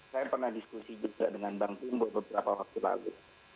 saya pernah diskusi juga dengan bang timbul beberapa waktu lalu